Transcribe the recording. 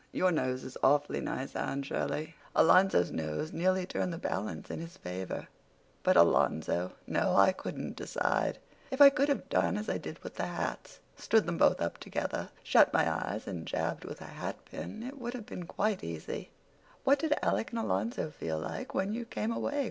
Your nose is awfully nice, Anne Shirley. Alonzo's nose nearly turned the balance in his favor. But Alonzo! No, I couldn't decide. If I could have done as I did with the hats—stood them both up together, shut my eyes, and jabbed with a hatpin—it would have been quite easy." "What did Alec and Alonzo feel like when you came away?"